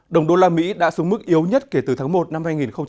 đồng đô la mỹ đã xuống mức yếu nhất kể từ tháng một năm hai nghìn hai mươi